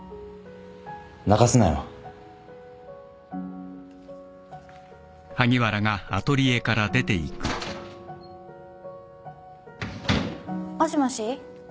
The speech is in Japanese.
泣かすなよ。もしもし？